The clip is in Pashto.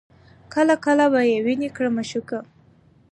کله کله به یې ویني کړه مشوکه